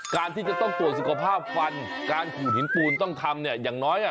การที่จะต้องตรวจสุขภาพควันการขูดหินปูนต้องทำเนี่ยอย่างน้อย